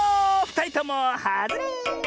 ふたりともはずれ。